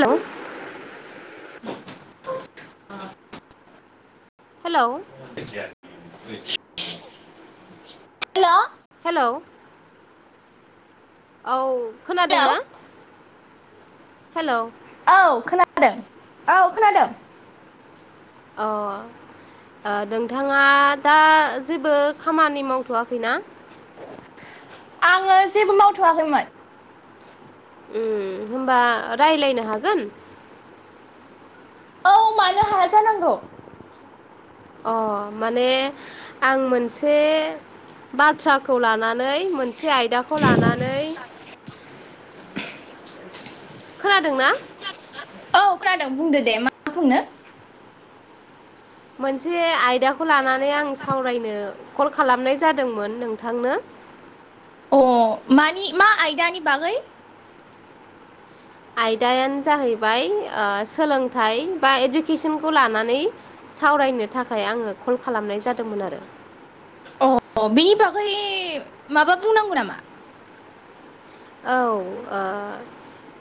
हेल' hello [unintelligible] हेल' hello औ खोनादों ना हेलौ औ खोनादों औ खोनादों अ आ नोंथाङा दा जेबो खामानि मावथ'वाखैना आङो जेबो मावथ'वाखैमोन होमबा राय्लायनो हागोन औ मानो हाया जानांगौ अ माने आं मोनसे बाथ्राखौ लानानै मोनसे आयदाखौ लानानै खोनादों ना औ खोनादों बुंदो दे मा बुंनो मोनसे आयदाखौ लानानै आं सावरायनो कल खालामनाय जादोंमोन नोंथांनो अ मानि मा आयदानि बागै आयदायानो जाहैबाय सोलोंथाइ बा इडुकेसनखौ लानानै सावरायनो थाखाय आङो कल खालामनाय जादोंमोन आरो अ बेनि बागै माबा बुंनांगौ नामा औ आ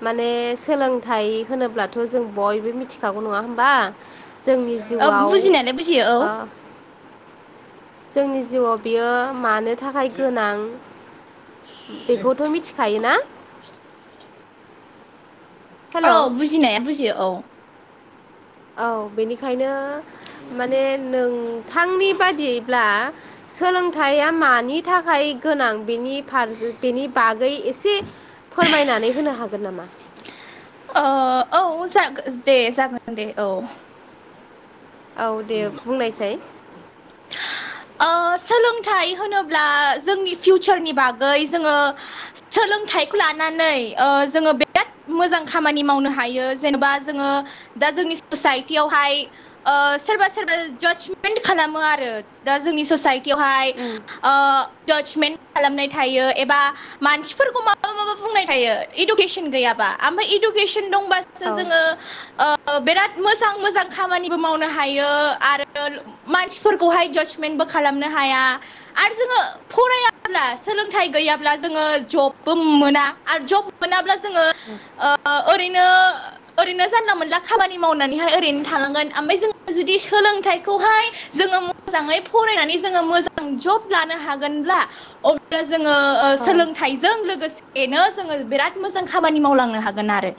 माने सोलोंथाइ होनोब्लाथ' जों बयबो मिथिखागौ नङा होमबा जोंनि ओ जिउआव बुजिनायालाय बुजियो औ जोंनि जिउआव बियो मानो थाखाय गोनां बेखौथ' मिथिखायोना हेल' औ बुजिनाया बुजियो औ औ बेनिखायनो माने नोंथांनि बादियैब्ला सोलोंथाइया मानि थाखाय गोनां बेनिफारस बेनि बागै एसे फोरमायनानै होनो हागोन नामा? ओ औ जाग दे जागोन देऔ औ दे बुंनायसाय ओ सोलोंथाइ होनोब्ला जोंनि फिउचारनि बागै जोङो सोलोंथाइखौ लानानै ओ जोङो बिराद मोजां खामानि मावनो हायो जेनेबा जोङो दा जोंनि ससाइटियावहाय ओ सोरबा सोरबा जासमेन्ट खालामो आरो दा जोंनि ससाइटियावहाय उम ओ जासमेन्ट खालामनाय थायो एबा मानसिफोरखौ मा [unintelligible] बुंनाय थायो इदुकेसन गैयाबा आमफाय इदुकेसन दंबा सो औ जोङो ओ बिराद मोजां मोजां खामानिबो मावनो हायो आरो मानसिफोरखौहाय जास मेनबो खालामनो हाया आरो जोङो फरायाब्ला सोलोंथाइ गैयाब्ला जोङो जबबो मोना आरो जब मोनाब्ला जोङो [inaudible] ओ ओरैनो ओरैनो जानला मोनला खामानि मावनानैहाय ओरैनो थानांगोन ओमफ्राय जों जुदि सोलोंथाइखौहाय जोङो मोजाङै फरायनानै जोङो मोजां जब लानो हागोनब्ला अब्ला जोङो ओ औ सोलोंथाइ जों लोगोसेनो जोङो बिराद मोजां खामानि मावलांनो हागोन आरो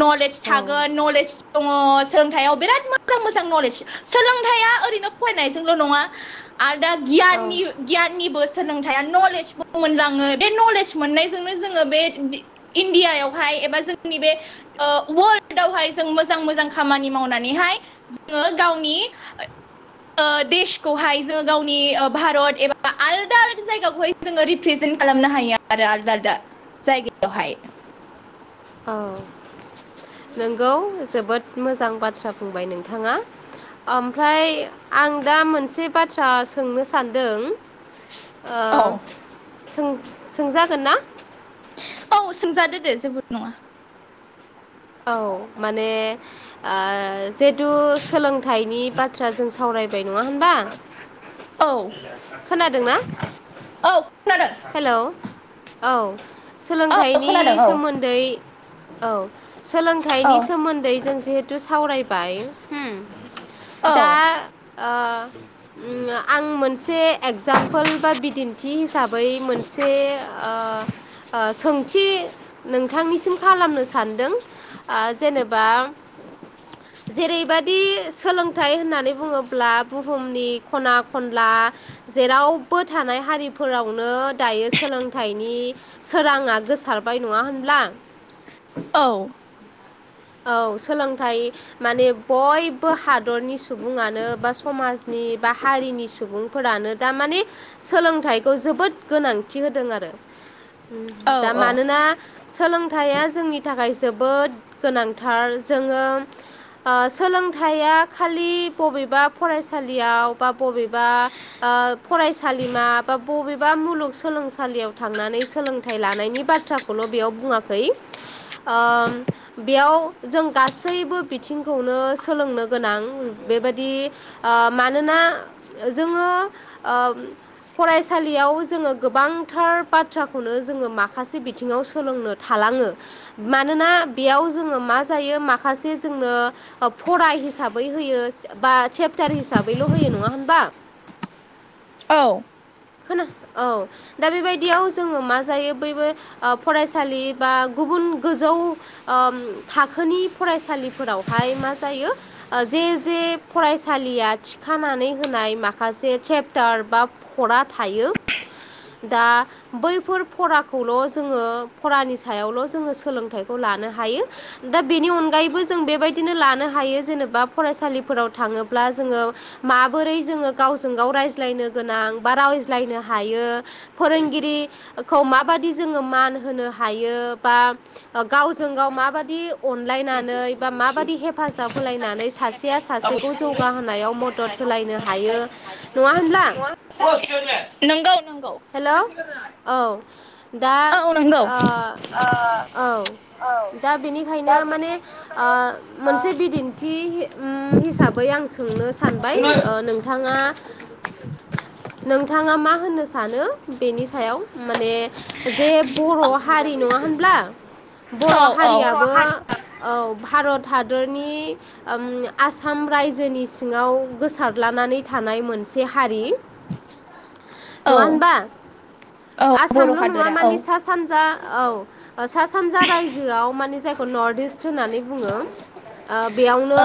मलेन औ सथागोन नलेज दङ सोलोंथाइयाव बिराद मोजां मोजां नलेज सोलोंथाइया ओरैनो फरायनायजों नङा आरो दा औ गियाननि गियाननिबो सोलोंथाया नलेजबो मोनलाङो बे नलेज मोननायजोंनो जोङो बे दि इण्डियाायावहाय एबा जोंनि बे ओ वर्ल्डआवहाय जों मोजां मोजां खामानि मावनानैहाय जोङो गावनि ओ देशखौहाय जोङो गावनि भारत एबा आलदा आल जायगाखौहाय जोङो रिप्रेजेन्ट खालामनो हायो आरो आलदा आलदा जायगायावहाय औ नोंगौ जोबोद मोजां बाथ्रा बुंबाय नोंथाङा ओमफ्राय आं दा मोनसे बाथ्रा सोंनो सानदों ओ औ सों सोंजागोन ना? औ सोंजादो दे जेबो नङा औ माने ओ जिहेतु सोलोंथाइनि बाथ्रा जों सावरायबाय नङा होनबा औ खोनादोंना औ खोनादों हेलौ औ औ सोलोंथाइनि खोनादों औ सोमोन्दै औ सोलोंथाइनि औ सोमोन्दै जों जिहेथु सावरायबाय होम औ दा ओ उम आं मोनसे एगजामपोल बा बिदिन्थि हिसाब बै मोनसे ओ ओ सोंथि नोंथांनिसिम खालामनो सानदों ओ जेनेबा जेरैबायदि सोलोंथाइ होननानै बुङोब्ला बुहुमनि खना खनला जेरावबो थानाय हारिफोरावन नो दायो सोलोंथाइनि सोराङा गोसारबाय नङा होनब्ला औ औ सोलोंथाइ माने बयबो हादरनि सुबुङानो बा समाजनि बा हारिनि सुबुं फोरानो दामाने सोलोंथाइखौ जोबोद- गोनांथि होदों आरो औ दा मानोना सोलोंथाइया जोंनि थाखाय जोबोद गोनांथार जोङो ओ सोलोंथाइया खालि बबेबा फरायसालियाव बा बबेबा बा फरायसालिमा बा बबे बा मुलुगसोलोंसालियाव थांनानै सोलोंथाइ लानायनि बाथ्राखौल' बेयाव बुङाखै। ओम बेयाव जों गासैबो बिथिंखौनो सोलोंनो गोनां बेबादि ओ मानोना जोङो ओ फरायसालि बेयाव जोङो गोबांथार बाथ्राखौनो जोङो माखासे बिथिङाव सोलोंनो थालाङो। मानोना बेयाव जोङो मा जायो माखासे जोंनो फरा हिसाबै होयो बा चेपटार हिसाबैल' होयो। नङा होनबा? औ खोनो औ दा बेबायदियाव जोङो मा जायो बैबो ओ फरायसालि बा गुबुन गोजौ ओम थाखोनि फरायसालिफोरावहाय मा जायो ओ जे-जे फरायसालिया थिखानानै होनाय माखासे चेप्टार बा फरा थायो। दा बैफोर फराखौल' जोङो फरानि सायावल' जोङो सोलोंथाइखौ लानो हायो। दा बेनि अनगायैबो जों बेबायदिनो लानो हायो। जेनेबा फरायसालिफोराव थाङोब्ला जोङो माबोरै जोङो गावजों गाव रायज्लायनो गोनां बा रायज्लायनो हायो फोरोंगिरिखौ माबादि जोङो मान होनो हायो बा गावजों गाव माबादि अनलायनानै बा माबादि हेफाजाब होलायनानै सासेया सासे बेखौ जौगाहोनायाव मदद होलायनो हायो। नङा होनब्ला? [unintelligible] [unintelligible] नोंगौ नोंगौ। हेल' औ दा औ नंगौ ओ औ औ दा दा बेनिखायनो माने बेनिखायनो ओ माने मोनसे बिदिन थि ओम हिसाबै आं सोंनो सानबाय ओ नोंथाङा नोंथाङा मा होननो सानो बेनि सायाव माने जे बर' हारि नङा होनब्ला? बर' औ औ हारियाबो औ भारत हादरनि ओम आसाम रायजोनि सिङाव गोसारलानानै थानाय मोनसे हारि। नङा औ होनबा? औ बर' आसामल' नङा हादरा औ मानि सा-सानजा औ सा-सानजा रायजोआव मानि‌ जायखौ नर्थ इस्ट होननानै बुङो। ओ बेयावनो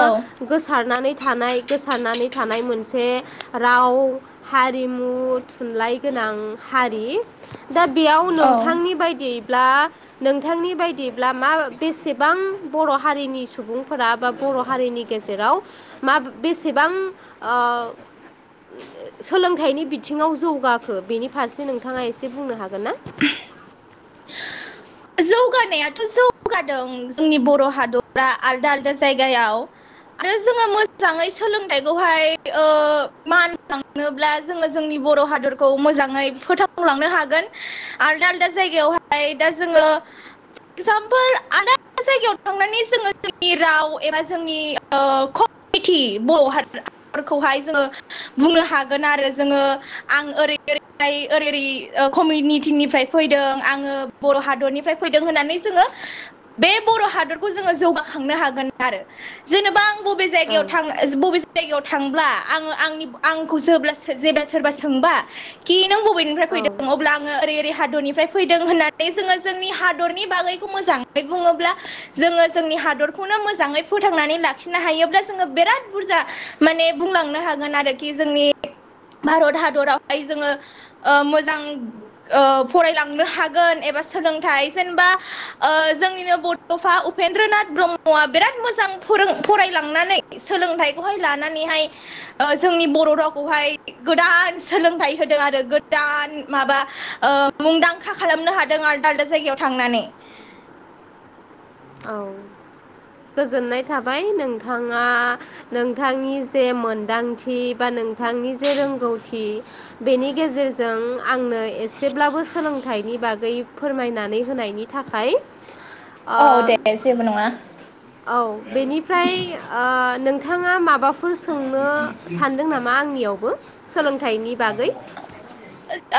गोसारनानै थानाय गोसारनानै थानाय मोनसे राव हा रिमु थुनलाइ गोनां हारि। दा बेयाव औ औ नोंथांनि बायदियै ब्ला नोंथांनि बायदिब्ला मा बेसेबां बर' हारिनि सुबुंफोरा बा बर' हारिनि गेजेराव मा बेसेबां ओ सोलोंथाइनि बिथिङाव जौगाखो बेनि फारसे नोंथाङा एसे बुंनो हागोन ना? जौगानायाथ' जौगादों जोंनि बर' हादरा आलदा-आलदा जायगायाव। आरो जोङो मोजाङै सोलोंथाइखौहाय ओ मान नोब्ला जोङो जोंनि बर' हादरखौ मोजाङै फोथांलांनो हागोन। आलदा-आलदा जायगायावहाय दा जोङो एक्जामपोल आदाद जा गायाव थांनानै जोङो जोंनि राव एबा जोंनि ओ खम मिथि बर' हाफोरखौहाय जोङो बुंनो हागोन आरो जोङो आं ओरै ओरैहाय ओरै ओरै कमिउनिटिंनिफ्राय फैदों आङो बर' हादरनिफ्राय फैदों होननानै जोङो बे बर' हादरखौ जोङो जौगाखांनो हागोन आरो। जेनेबा आं बबे औ जायगायाव थां बबे जायगायाव थांब्ला आङो आंनि आंखौ जेब्ला जेब्ला सोरबा सोंबा खि नों बबेनिफ्राय औ फैदों? अब्ला आङो ओरै ओरै हादरनिफ्राय फैदों होननानै जोङो जोंनि हाद दरनि बागैखौ मोजाङै बुङोब्ला जोङो जोंनि हादरखौनो मोजाङै फोथांनानै लाखिनो हायोब्ला जोङो बिराद बुरजा माने बुंलांनो हागोन आरोखि जोंनि भारत हादरावहाय जोङो ओ मोजां ओ फरायलांनो हागोन एबा सोलोंथाइ जेनोबा ओ जोंनिनो बड'फा उपेन्द्रनाथ ब्रह्मआ बिराद मोजां फोरों फरायलांनानै सोलोंथाइखौहाय लानानैहाय ओ जोंनि बर' रावखौहाय गोदान सोलोंथाइ होदों आरो गोदान माबा ओ मुंदांखा खालामनो हादों आलदा आलदा जायगायाव थांनानै। औ। गोजोननाय थाबाय नोंथाङा नोंथांनि जे मोनदांथि बा नोंथांनि जे रोंगौथि बेनि गेजेरजों आंनो एसेब्लाबो सोलोंथाइनि बागै फोरमायनानै होनायनि थाखाय। ओ औ दे जेबो नङा। औ बेनिफ्राय ओ नोंथाङा माबाफोर सोंनो सानदों नामा आंनियावबो सोलोंथाइनि बागै?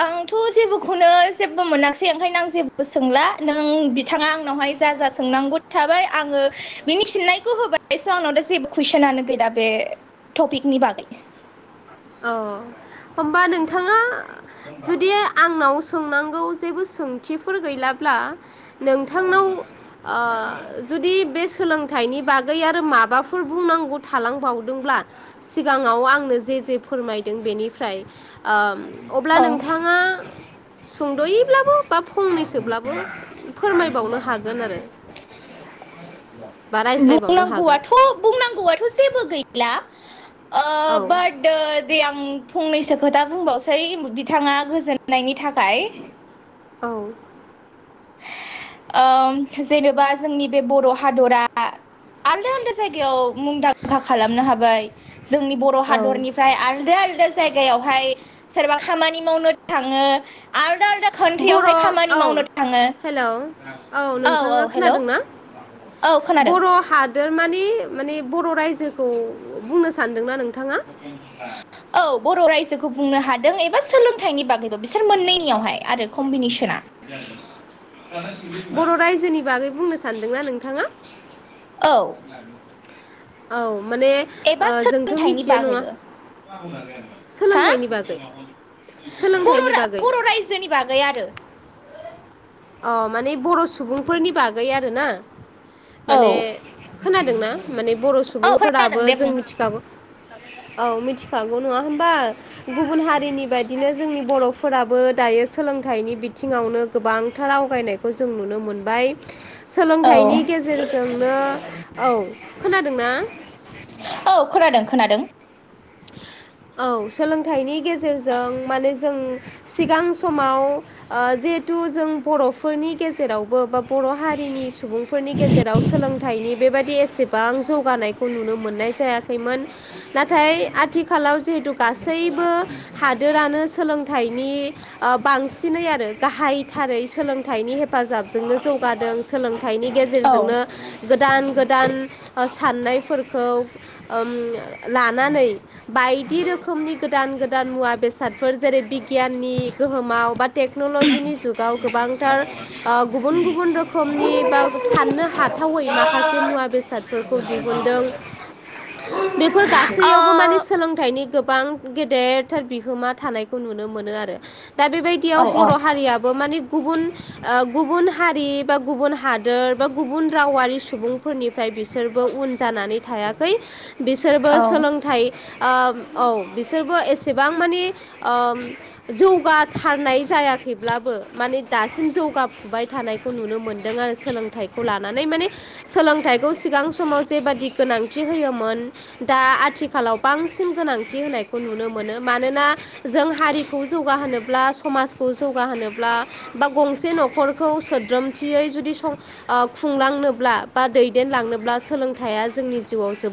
आंथ' जेबोखौनो जेबो मोनासै ओंखायनो आं जेबो सोंला नों बिथाङा आं आंनावहाय जा जा सोंनांगौ थाबाय आङो बिनि फिननायखौ होबाय स' आंनाव दा जेबो कुइसनानो गै दा बे टपिकनि बागै। औ होनबा नोंथाङा जुदि आंनाव सोंनांगौ जेबो सोंथिफोर गैलाब्ला नोंथांनाव ओ जुदि बे सों सोलोंथाइनि बागै आरो माबाफोर बुंनांगौ थालांबावदोंब्ला सिगाङाव आंनो जे जे फोरमायदों बेनिफ्राय ओम अब्ला औ नोंथाङा सुंद'यैब्लाबो बा फंनैसोब्लाबो फोरमायबावनो हागोन आरो। बा रायज्लायबावनो हागोन बुंनांगौयाथ' बुंनांगौयाथ' जेबो गैला। ओ औ बाट दा दे आं फंनैसो खोथा बुंबावसै बिथाङा गोजोननायनि थाखाय। औ। ओम जेनोबा जोंनि बे बर' हादरा आलदा आलदा जायगायाव मुंदांखा खालामनो हाबाय जोंनि बर' औ हादरनि फ्राय आलदा आलादा जायगायावहाय सोरबा खामानि मावनो थाङो आलदा आलादा खान्ट्रियावहाय खामानि मावनो थाङो। हेल' औ औ नोंथाङा हेल' खोनादोंना? औ खोनादों बर' हा थारमानि माने बर' रायजोखौ बुंनो सानदोंना नोंथाङा? [unintelligible] औ बर' रायजोखौ बुंनो हादों एबा सोलोंथाइनि बागैबो बिसोर मोननैनियावहाय आरो कम्बिनेसना। [unintelligible] [unintelligible] बर' रायजोनि बागै बुंनो सानदोंना नोंथाङा? औ। औ माने ओ एबा जोंथ' सोलोंथाइनि मिथियो नङा बागैबो। हा? सोलोंथाइनि बागै बर' सोलोंथाइनि रा बागै बर' रायजोनि बागै आरो। अ माने बर' सुबुंफोरनि बागै आरोना? माने औ खोनादोंना? माने बर' औ सुबुंफोराबो खोनादों दे जों बुं मिथि हागौ औ मिथिखागौ नङा होमबा? गुबुन हारिनि बाय दिनो जोंनि बर'फोराबो दायो सोलोंथाइनि बिथिङावनो गोबां [unintelligible] आवगायनायखौ जों नुनो मोनबाय औ सोलोंथनि गेजेर जोंनो, औ खोनादोंना? औ खोनादों खोनादों। औ सोलोंथाइनि गेजेरजों माने जों सिगां समाव ओ जिहेथु जों बर'फोरनि गेजेरावबो बा बर' हारिनि सुबुं फोरनि गेजेराव सोलोंथाइनि बेबायदि एसेबां जौगानायखौ नुनो मोननाय जायाखैमोन नाथाय आथिखालाव जिहेथु गासैबो हादोरानो सोलोंथाइनि ओ बांसिनै आरो गाहायथारै सोलोंथाइनि हेफाजाबजोंनो जौगादों सोलों थाइनि औ गेजेरजोंनो गोदान गोदान साननायफोरखौ ओम लानानै बायदि रोखोमनि गोदान गोदान मुवा बेसादफोर जेरै बिगियाननि गोहोमाव बा टेक्न'लजिनि जुगाव गोबांथार ओ गुबुन गुबुन रोखोमनि बा साननो हाथावै माखासे मुवा बेसाद फोर दिहुनदों बेफोर ओ गासैयावबो माने सोलोंथाइनि गोबां गेदेरथार बिहोमा थानायखौ नुनो मोनो आरो। दा बेबायदियाव औ औ बर' हारियाबो माने गुबुन ओ गुबुन हारि बा गुबुन हादोर बा गुबुन रावारि सुबुंफोरनि फ्राय बिसोरबो उन जानानै थायाखै बिसोरबो औ सोलोंथाइ ओ औ बिसोरबो एसेबां मानि ओ जौगाथारनाय जायाखैब्लाबो माने दासिम जौगा फुबाय थानायखौ नुनो मोन्दों आरो सोलोंथाइखौ लानानै माने सोलोंथाइखौ सिगां समाव जेबादि गोनांथि होयोमोन दा आथिखालाव बांसिन गोनांथि होनायखौ नुनो मोनो मानोना जों हारिखौ जौगाहोनोब्ला समाजखौ जौगाहोनोब्ला बा गंसे न'खरखौ सोद्रोमथियै जुदि सं ओ खुंलांनोब्ला बा दैदेनलांनोब्ला सोलोंथाइया जोंनि जिउआव जो